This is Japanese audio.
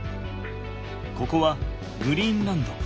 ここはグリーンランド。